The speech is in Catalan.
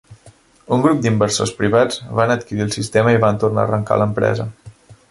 Un grup d'inversors privats van adquirir el sistema i van tornar a arrencar l'empresa.